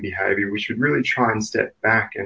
kita harus berusaha untuk mengembalikan